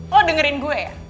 lo dengerin gue ya